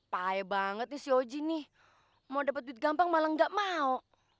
pahe banget nih si oji nih mau dapet duit gampang malah gak mau